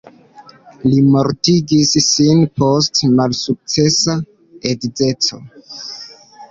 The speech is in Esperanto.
Li mortigis sin post malsukcesa edzeco.